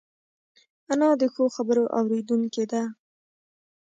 انا د ښو خبرو اورېدونکې ده